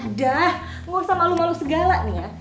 udah gak usah malu malu segala nih ya